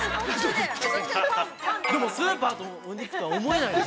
でもスーパーのお肉とは思えないです！